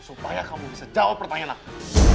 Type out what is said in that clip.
supaya kamu bisa jawab pertanyaan aku